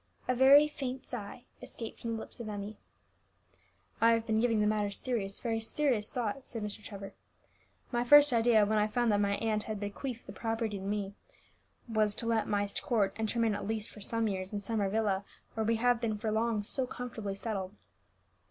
A very faint sigh escaped from the lips of Emmie. "I have been giving the matter serious, very serious thought," said Mr. Trevor. "My first idea, when I found that my aunt had bequeathed the property to me, was to let Myst Court, and to remain at least for some years in Summer Villa, where we have been for long so comfortably settled.